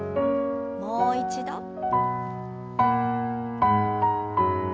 もう一度。